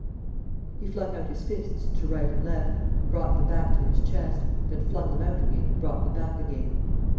He flung out his fists to right and left, brought them back to his chest, then flung them out again and brought them back again.